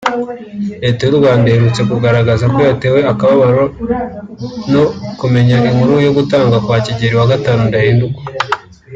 Leta y’u Rwanda iherutse kugaragaza ko yatewe akababaro no kumenya inkuru y’ugutanga kwa Kigeli V Ndahindurwa